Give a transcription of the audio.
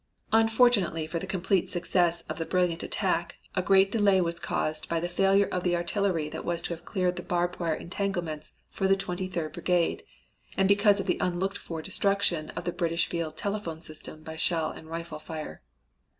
Unfortunately for the complete success of the brilliant attack a great delay was caused by the failure of the artillery that was to have cleared the barbed wire entanglements for the Twenty third Brigade, and because of the unlooked for destruction of the British field telephone system by shell and rifle fire.